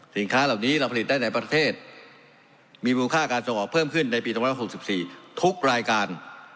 สินค้าเหล่านี้เราผลิตได้ในประเทศมีมูลค่าการส่งออกเพิ่มขึ้นในปี๒๖๔ทุกรายการ